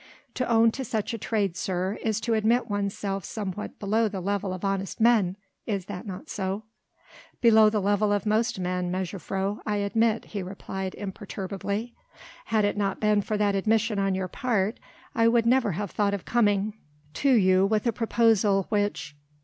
To own to such a trade, sir, is to admit oneself somewhat below the level of honest men. Is that not so?" "Below the level of most men, mejuffrouw, I admit," he replied imperturbably. "Had it not been for that admission on your part, I would never have thought of coming to you with a proposal which...."